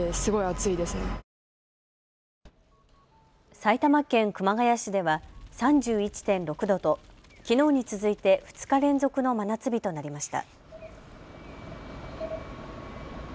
埼玉県熊谷市では３１．６度ときのうに続いて２日連続の真夏日となりました。